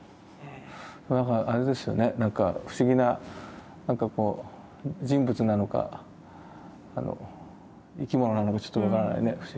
なんかあれですよねなんか不思議ななんかこう人物なのか生き物なのかちょっと分からないね不思議な。